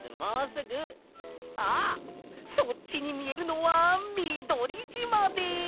そっちにみえるのはみどりじまです！